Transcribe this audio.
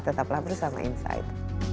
tetaplah bersama insight